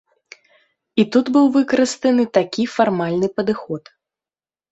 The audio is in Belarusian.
І тут быў выкарыстаны такі фармальны падыход.